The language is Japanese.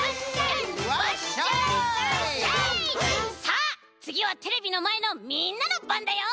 さあつぎはテレビのまえのみんなのばんだよ！